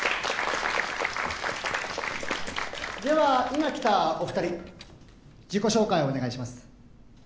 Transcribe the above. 今来たお二人自己紹介をお願いします